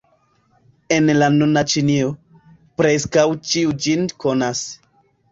En la nuna Ĉinio, preskaŭ ĉiu ĝin konas.